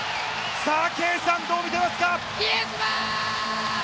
圭さん、どう見ていますか？